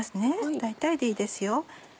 大体でいいですよ。